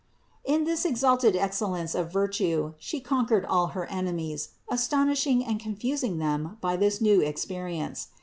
In this exalted excel lence of virtue She conquered all her enemies, astonishing and confusing them by this new experience.